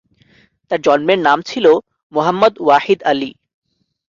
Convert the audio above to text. তার জন্মের নাম ছিল মুহাম্মদ ওয়াহিদ আলী।